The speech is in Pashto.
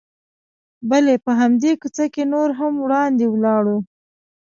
بلې، په همدې کوڅه کې نور هم وړاندې ولاړو.